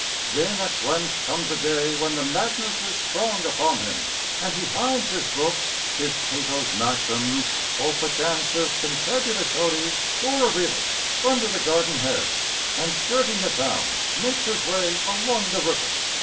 Then at length comes a day when the madness is strong upon him and he hides his books, his Cato's Maxims, or perchance his Confabulationes Pueriles, under the garden hedge, and skirting the town, makes his way along the river.